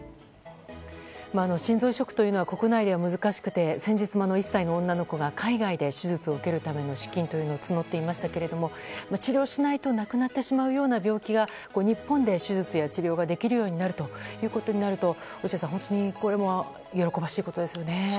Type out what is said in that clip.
心臓移植というのは国内では難しくて先日も１歳の女の子が海外で手術を受けるための資金を募っていましたが治療をしないと亡くなってしまうような病気が日本で手術や治療ができるようになるということになると落合さん、本当にこれは喜ばしいことですよね。